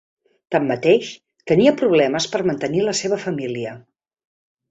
Tanmateix, tenia problemes per mantenir la seva família.